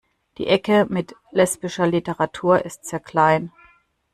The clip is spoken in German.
Die Ecke mit lesbischer Literatur ist sehr klein.